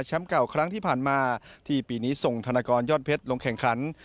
เก่าครั้งที่ผ่านมาที่ปีนี้ส่งธนกรยอดเพชรลงแข่งขัน